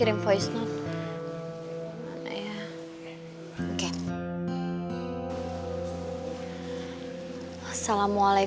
tapi sudah mulai